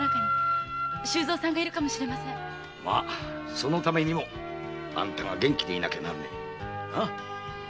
そのためにもあんたが元気でいなきゃならねえよ。